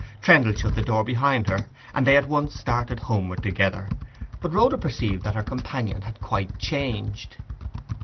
Trendle shut the door behind her, and they at once started homeward together. But Rhoda perceived that her companion had quite changed.